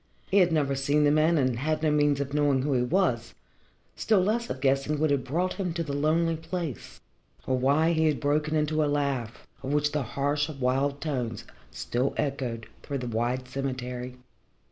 He had never seen the man and had no means of knowing who he was, still less of guessing what had brought him to the lonely place, or why he had broken into a laugh, of which the harsh, wild tones still echoed through the wide cemetery.